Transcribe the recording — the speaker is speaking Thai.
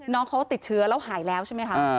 น้องเขาติดเชื้อแล้วหายแล้วใช่ไหมคะ